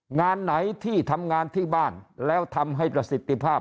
งานไหนที่ทำงานที่บ้านแล้วทำให้ประสิทธิภาพ